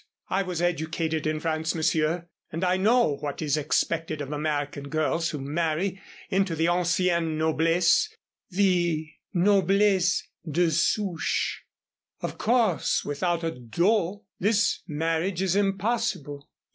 I was educated in France, Monsieur, and I know what is expected of American girls who marry into the ancienne noblesse the noblesse de souche. Of course, without a dot, this marriage is impossible."